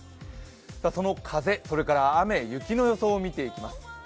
その風、雨雪の予想を見ていきます。